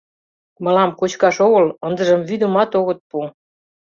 Мылам кочкаш огыл, ындыжым вӱдымат огыт пу.